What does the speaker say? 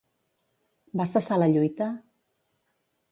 Va cessar la lluita?